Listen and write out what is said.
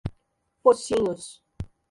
Pocinhos